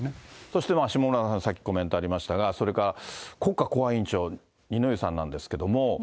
そして下村さん、さっきコメントありましたが、それから国家公安委員長、二之湯さんなんですけれども。